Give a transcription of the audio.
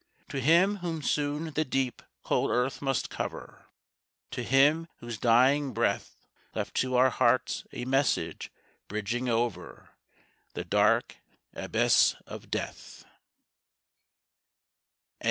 To him whom soon the deep, cold earth must cover, To him whose dying breath Left to our hearts a message bridging over The dark abyss of Death.